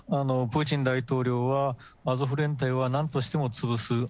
プーチン大統領はアゾフ連隊はなんとしても潰す。